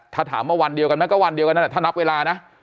ถ้าถามว่าวันเดียวกันก็วันเดียวกันแต่ถ้านับเวลานะ